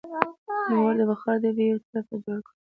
نوموړي د بخار ډبې یوه طرحه جوړه کړه.